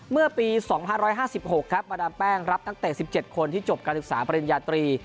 เมื่อปี๒๕๕๖ครับมาดามแป้งรับนักเตะ๑๗คนที่จบการศึกษาปริญญาตรี